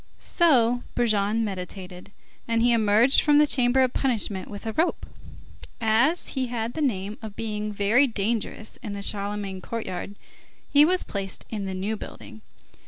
So Brujon meditated, and he emerged from the chamber of punishment with a rope. As he had the name of being very dangerous in the Charlemagne courtyard, he was placed in the New Building.